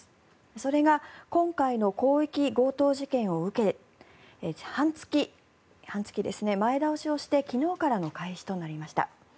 それが今回の広域強盗事件を受け半月前倒しをして昨日からの開始となりました。